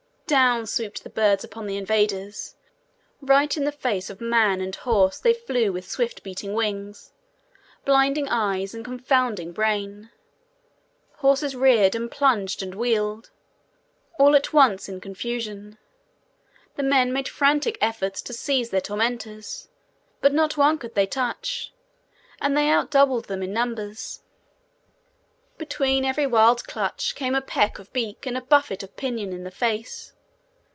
Down swooped the birds upon the invaders; right in the face of man and horse they flew with swift beating wings, blinding eyes and confounding brain. Horses reared and plunged and wheeled. All was at once in confusion. The men made frantic efforts to seize their tormentors, but not one could they touch; and they outdoubled them in numbers. Between every wild clutch came a peck of beak and a buffet of pinion in the face.